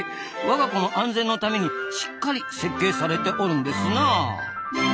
わが子の安全のためにしっかり設計されておるんですな。